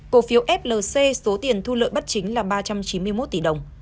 cổ phiếu flc số tiền thu lợi bất chính là ba trăm chín mươi một tỷ đồng